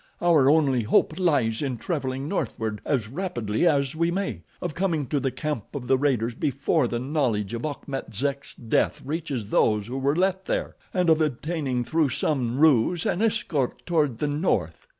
Our only hope lies in traveling northward as rapidly as we may, of coming to the camp of the raiders before the knowledge of Achmet Zek's death reaches those who were left there, and of obtaining, through some ruse, an escort toward the north.